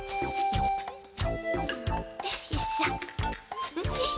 よいしょ。